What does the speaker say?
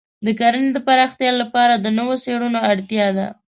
د کرنې د پراختیا لپاره د نوو څېړنو اړتیا ده.